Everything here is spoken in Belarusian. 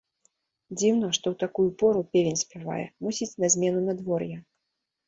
Дзіўна, што ў такую пору певень спявае, мусіць, на змену надвор'я.